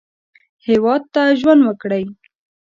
هېواد ته ژوند وکړئ